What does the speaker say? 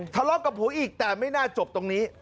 ทะเลาะกับผัวอีกแต่ไม่น่าจบตรงนี้